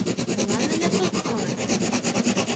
— Молан алят от мале?